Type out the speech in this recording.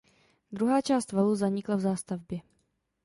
Druhá část valu zanikla v zástavbě.